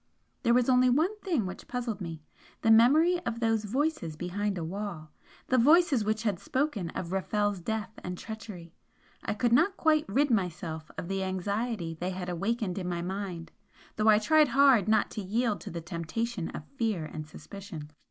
There was only one thing which puzzled me, the memory of those voices behind a wall the voices which had spoken of Rafel's death and treachery. I could not quite rid myself of the anxiety they had awakened in my mind though I tried hard not to yield to the temptation of fear and suspicion.